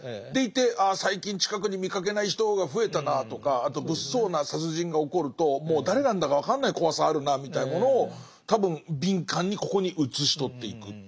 でいてああ最近近くに見かけない人が増えたなぁとかあと物騒な殺人が起こるともう誰なんだか分かんない怖さあるなみたいなものを多分敏感にここに写し取っていく。